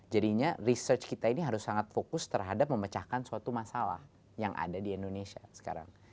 jadinya research kita ini harus sangat fokus terhadap memecahkan suatu masalah yang ada di indonesia sekarang